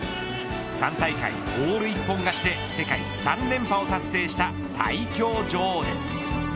３大会、オール一本勝ちで世界３連覇を達成した最強女王です。